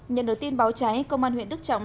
nhận được tin báo cháy công an huyện đức trọng